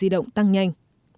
dịch vụ xe chung cũng tăng nhanh